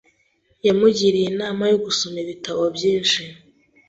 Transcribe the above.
Yamugiriye inama yo gusoma ibitabo byinshi.